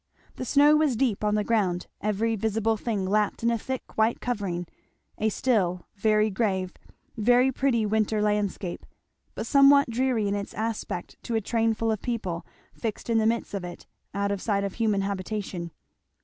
The snow was deep on the ground; every visible thing lapped in a thick white covering; a still, very grave, very pretty winter landscape, but somewhat dreary in its aspect to a trainful of people fixed in the midst of it out of sight of human habitation.